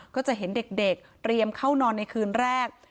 ก็จะเห็นเด็กเตรียมเข้านอนในคืนแรก